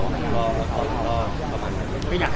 และพอก็ประมาณนั้น